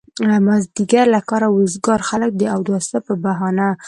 مازيګر له کاره وزګار خلک د اوداسه په بهانه.